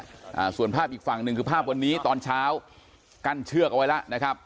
อ่าส่วนภาพอีกฝั่งหนึ่งคือภาพวันนี้ตอนเช้ากั้นเชือกเอาไว้แล้วนะครับ